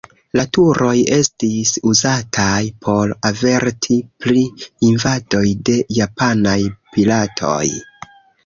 La turoj estis uzataj por averti pri invadoj de japanaj piratoj.